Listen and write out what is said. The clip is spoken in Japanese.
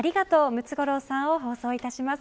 ムツゴロウさんを放送いたします。